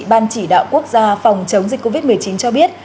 ban chỉ đạo quốc gia phòng chống dịch covid một mươi chín cho biết